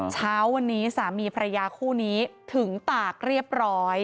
เช้าวันนี้สามีภรรยาคู่นี้ถึงตากเรียบร้อย